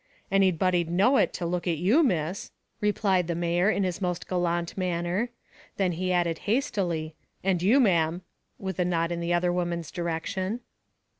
"Anybody'd know it to look at you, miss," replied the mayor in his most gallant manner. Then he added hastily: "And you, ma'am," with a nod in the other woman's direction.